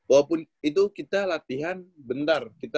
walaupun itu kita latihan benar